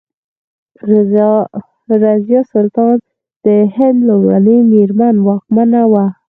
رضیا سلطانه د هند لومړۍ میرمن واکمنه وه.